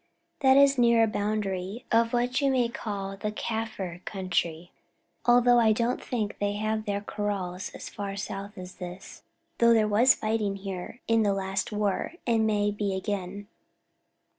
"This is near the boundary of what you may call the Kaffir country, although I don't think they have their kraals as far south as this, though there was fighting here in the last war, and may be again."